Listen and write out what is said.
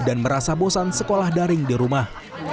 dan merasa bosan sekolah daring di rumah